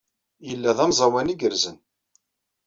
Yella d amẓawan igerrzen.